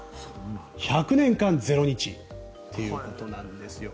１００年間０日ということなんですよ。